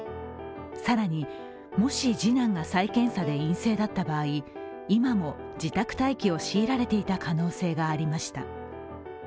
更に、もし次男が再検査で陰性だった場合、今も自宅待機を強いられていた可能性がありました。